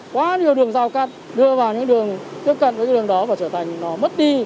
quá nhiều đường giao cắt đưa vào những đường tiếp cận với những đường đó và trở thành nó mất đi